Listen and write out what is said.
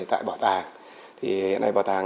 tại bảo tàng hiện nay bảo tàng